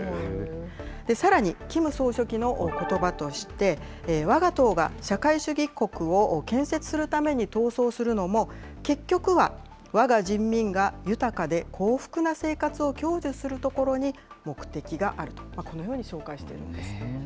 さらにキム総書記のことばとして、わが党が社会主義国を建設するために闘争するのも、結局はわが人民が豊かで幸福な生活を享受するところに目的があると、このように紹介しているんです。